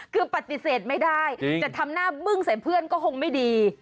คือปฏิเสธไม่ได้แต่ทำหน้าบึ้งใส่เพื่อนก็คงไม่ดี